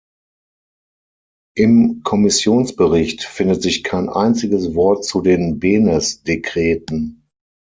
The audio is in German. Im Kommissionsbericht findet sich kein einziges Wort zu den Benes-Dekreten.